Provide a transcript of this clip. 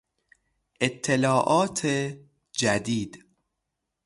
اطلاعات جدید